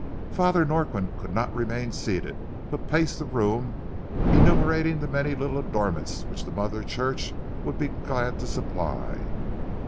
Father Norquin could not remain seated, but paced the room enumerating the many little adornments which the mother church would be glad to supply.